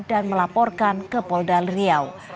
dan melaporkan ke poldal riau